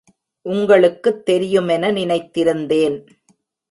உங்களுக்குத் தெரியுமென நினைத்திருந்தேன்.